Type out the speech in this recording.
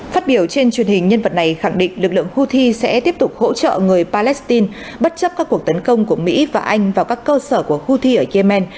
phát biểu trên truyền hình nhân vật này khẳng định lực lượng houthi sẽ tiếp tục hỗ trợ người palestine bất chấp các cuộc tấn công của mỹ và anh vào các cơ sở của houthi ở yemen